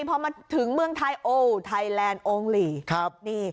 พอมาถึงเมืองไทยโอ้ไทยแลนด์โองหลี